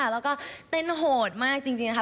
แล้วก็เต้นโหดมากจริงค่ะ